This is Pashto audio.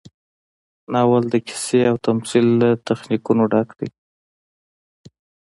ناول د قصې او تمثیل له تخنیکونو ډک دی.